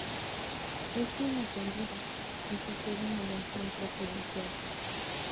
Es bien atendida, y se queda en la mansión presidencial.